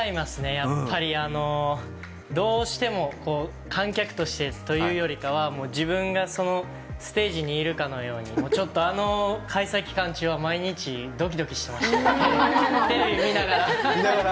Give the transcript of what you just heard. やっぱりどうしても観客としてというよりかは自分がそのステージにいるかのようにあの開催期間中は毎日ドキドキしてましたテレビ見ながら見ながら？